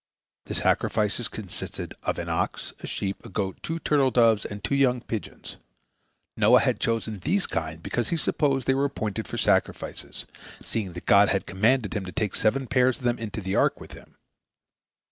The sacrifices consisted of an ox, a sheep, a goat, two turtle doves, and two young pigeons. Noah had chosen these kinds because he supposed they were appointed for sacrifices, seeing that God had commanded him to take seven pairs of them into the ark with him.